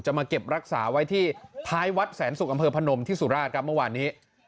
มาเก็บรักษาไว้ที่ท้ายวัดแสนศุกร์อำเภอพนมที่สุราชครับเมื่อวานนี้